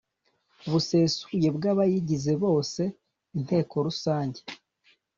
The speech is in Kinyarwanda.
busesuye bw abayigize bose Inteko Rusange